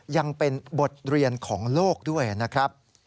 ยังเป็นบทเรียนของโลกด้วยนะครับ